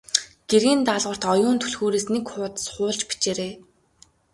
Гэрийн даалгаварт Оюун түлхүүрээс нэг хуудас хуулж бичээрэй.